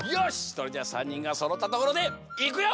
それじゃあ３にんがそろったところでいくよ！